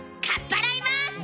かっぱらいます！